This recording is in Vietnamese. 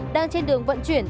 đang trên đường vận chuyển